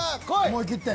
思い切って。